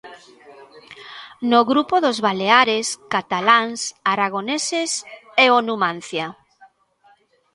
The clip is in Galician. No grupo dos baleares, cataláns, aragoneses e o Numancia.